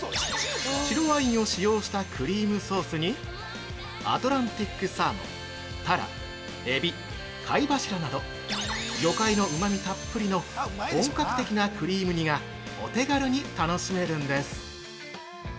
白ワインを使用したクリームソースにアトランティックサーモンタラ、エビ、貝柱など魚介のうまみたっぷりの本格的なクリーム煮がお手軽に楽しめるんです。